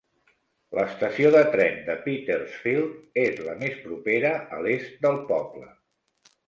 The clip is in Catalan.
L'estació de tren de Petersfield és la més propera, a l'est del poble.